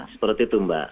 seperti itu mbak